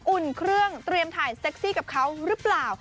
อุ่นเครื่องเตรียมถ่ายเซ็กซี่กับเขาหรือเปล่า